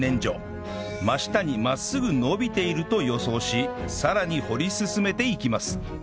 真下に真っすぐ伸びていると予想しさらに掘り進めていきます